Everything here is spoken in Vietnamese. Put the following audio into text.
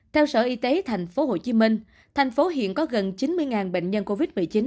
theo sở y tế tp hcm thành phố hiện có gần chín mươi bệnh nhân covid một mươi chín